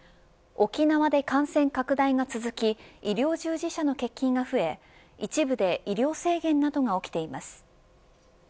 沖縄で感染拡大が続き医療従事者の欠勤が増え一部で医療制限などが起きています。